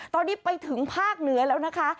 ตอนนี้ไปถึงภาคเหนือแล้วนะคะ